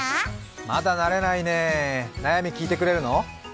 まだ慣れないね、悩み聞いてくれるの？